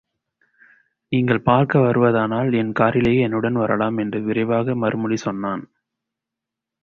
நீங்கள் பார்க்க வருவதானால் என் காரிலேயே என்னுடன் வரலாம் என்று விரைவாக மறுமொழி சொன்னான்.